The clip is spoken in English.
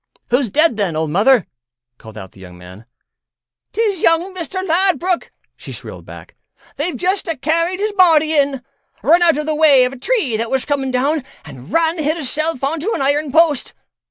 "Who's dead, then, old Mother?" called out the young man. "'Tis young Mister Ladbruk," she shrilled back; "they've just a carried his body in. Run out of the way of a tree that was coming down an' ran hisself on to an iron post.